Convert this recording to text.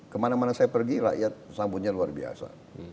kemana mana saya pergi rakyat sambutnya luar biasa